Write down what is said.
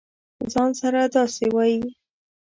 ځـان سره داسې وایې.